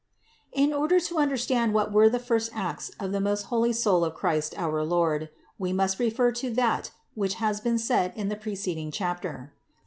144. In order to understand what were the first acts of the most holy Soul of Christ our Lord, we must refer to that which has been said in the preceding chapter (No.